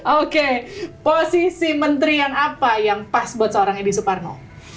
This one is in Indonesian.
oke posisi menteri yang apa yang pas buat seorang edi suparno